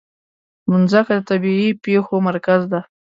مځکه د طبیعي پېښو مرکز ده.